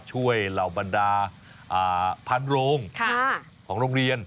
เหล่าบรรดาพันโรงของโรงเรียน